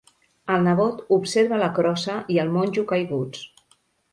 El nebot observa la crossa i el monjo caiguts.